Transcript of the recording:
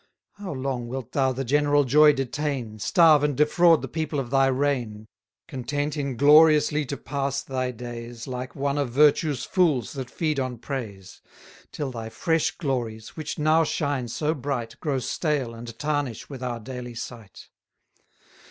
How long wilt thou the general joy detain, Starve and defraud the people of thy reign! Content ingloriously to pass thy days, Like one of virtue's fools that feed on praise; Till thy fresh glories, which now shine so bright, Grow stale, and tarnish with our daily sight?